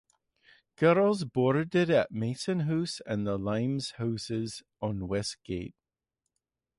Girls boarded at Masson House and The Limes houses on Westgate.